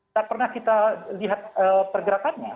tak pernah kita lihat pergerakannya